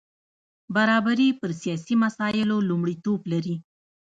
برابري پر سیاسي مسایلو لومړیتوب لري.